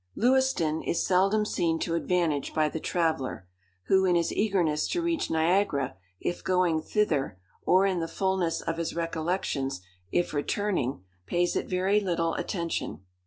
Lewiston is seldom seen to advantage by the traveller, who, in his eagerness to reach Niagara, if going thither, or in the fulness of his recollections, if returning, pays it very little attention.